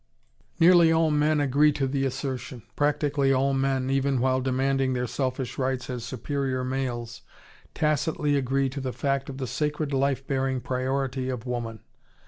Nearly all men agree to the assertion. Practically all men, even while demanding their selfish rights as superior males, tacitly agree to the fact of the sacred life bearing priority of woman.